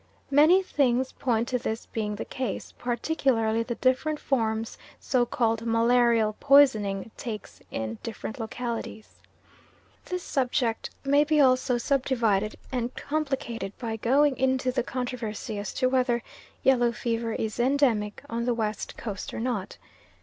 Many things point to this being the case; particularly the different forms so called malarial poisoning takes in different localities. This subject may be also subdivided and complicated by going into the controversy as to whether yellow fever is endemic on the West Coast or not.